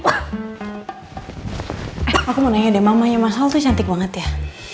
eh aku mau nanya deh mamanya mas al tuh cantik banget ya